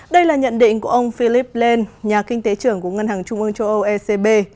đây là nhận định của ông philip blan nhà kinh tế trưởng của ngân hàng trung ương châu âu ecb